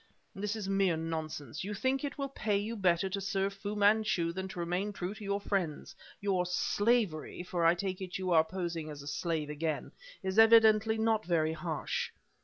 "This is mere nonsense. You think that it will pay you better to serve Fu Manchu than to remain true to your friends. Your 'slavery' for I take it you are posing as a slave again is evidently not very harsh.